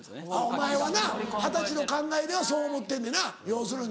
お前はな二十歳の考えではそう思ってんねんな要するに。